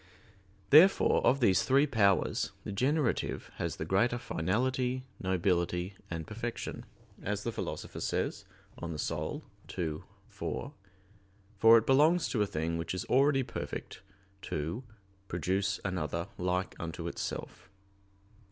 Therefore, of these three powers, the generative has the greater finality, nobility, and perfection, as the Philosopher says (De Anima ii, 4), for it belongs to a thing which is already perfect to "produce another like unto itself."